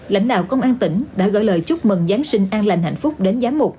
lãnh đạo công an tỉnh đã gửi lời chúc mừng giáng sinh an lành hạnh phúc đến giám mục